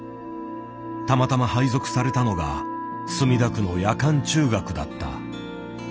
たまたま配属されたのが墨田区の夜間中学だった。